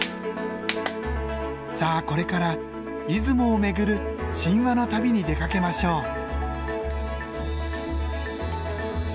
さあこれから出雲を巡る神話の旅に出かけましょう。